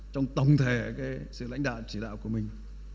trong tổng thể sự lãnh đạo chỉ đạo của mình